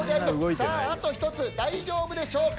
さああと１つ大丈夫でしょうか？